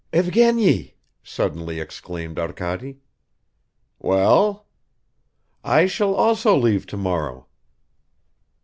"Evgeny!" suddenly exclaimed Arkady. "Well?" "I shall also leave tomorrow."